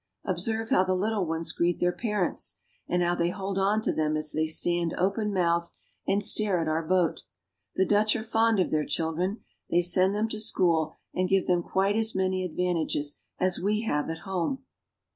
Observe how the little ones greet their parents, and how they hold on to them as they stand open mouthed and stare at our boat. The Dutch are fond of their children ; they send them to school and give them quite as many advantages as we have at home.